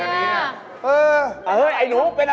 ถ้าเป็นปากถ้าเป็นปากถ้าเป็นปาก